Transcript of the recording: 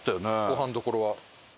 ごはんどころは。